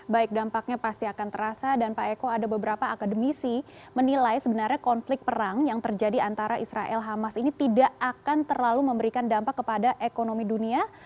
baik dampaknya pasti akan terasa dan pak eko ada beberapa akademisi menilai sebenarnya konflik perang yang terjadi antara israel hamas ini tidak akan terlalu memberikan dampak kepada ekonomi dunia